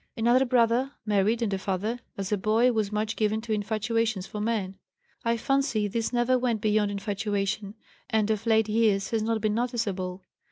Another brother, married and a father, as a boy was much given to infatuations for men. I fancy this never went beyond infatuation and of late years has not been noticeable.